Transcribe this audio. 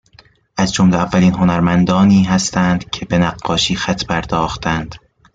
از جمله اولین هنرمندانی هستند که به نقاشیخط پرداختند